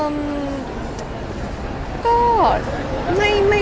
มีคนทักอะไร